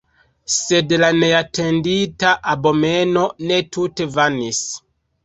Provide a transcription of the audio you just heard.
Sed la neatendita abomeno ne tute vanis.